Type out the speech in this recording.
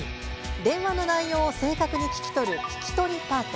電話の内容を正確に聞き取る聞き取りパート。